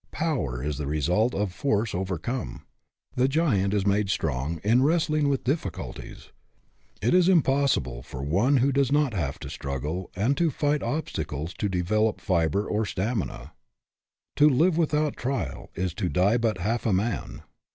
Power is the result of force overcome. The giant is made strong in wrestling with diffi culties. It is impossible for one who does not have to struggle and to fight obstacles to 240 GETTING AWAY FROM POVERTY develop fiber or stamina. " To live without trial is to die but half a man."